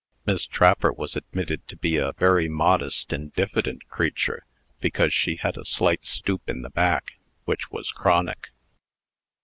Miss Trapper was admitted to be a very modest and diffident creature, because she had a slight stoop in the back, which was chronic.